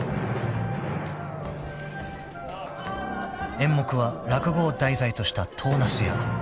［演目は落語を題材とした『唐茄子屋』］